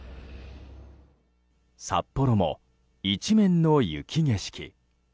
札幌も一面の雪景色。